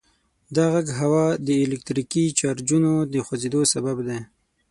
دا غږ د هوا د الکتریکي چارجونو د خوځیدو سبب دی.